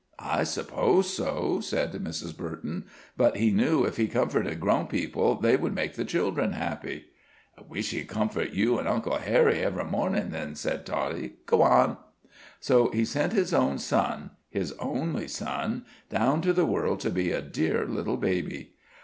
"I suppose so," said Mrs. Burton. "But He knew if He comforted grown people, they would make the children happy." "I wiss He'd comfort you an' Uncle Harry every mornin', then," said Toddie. "G'won." "So He sent His own Son his only Son down to the world to be a dear little baby."